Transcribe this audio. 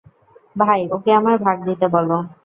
ভাই, ওকে আমার ভাগ দিতে বলো।